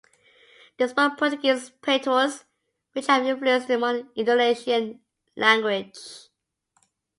They spoke a Portuguese patois, which have influenced the modern Indonesian language.